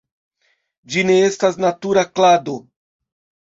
Ĝi ne estas natura klado.